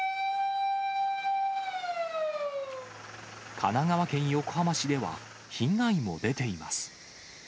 神奈川県横浜市では被害も出ています。